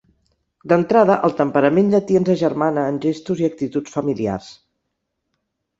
D'entrada, el temperament llatí ens agermana en gestos i actituds familiars.